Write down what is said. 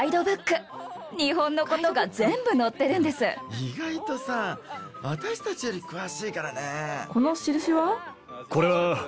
意外とさ私たちより詳しいからね。